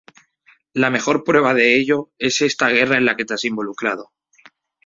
La mejor prueba de ello es esta guerra en la que te has involucrado.